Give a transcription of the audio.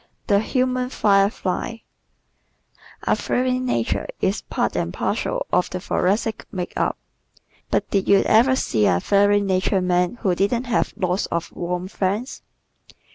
The Human Firefly ¶ A fiery nature is part and parcel of the Thoracic's makeup. But did you ever see a fiery natured man who didn't have lots of warm friends!